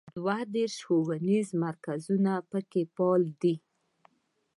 دوه دیرش ښوونیز مرکزونه په کې فعال دي.